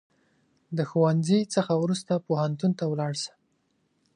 د ښوونځي څخه وروسته پوهنتون ته ولاړ سه